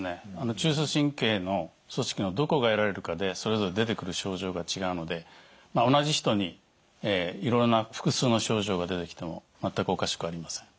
中枢神経の組織のどこがやられるかでそれぞれ出てくる症状が違うので同じ人にいろいろな複数の症状が出てきても全くおかしくはありません。